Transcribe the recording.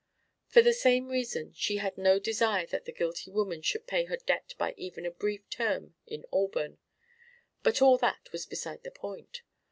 For the same reason, she had no desire that the guilty woman should pay her debt by even a brief term in Auburn; but all that was beside the point.